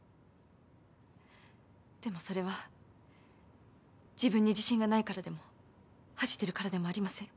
でもそれは自分に自信がないからでも恥じてるからでもありません。